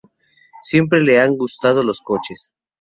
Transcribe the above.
Siempre le han gustado los coches.